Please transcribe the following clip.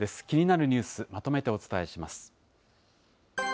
気になるニュース、まとめてお伝えします。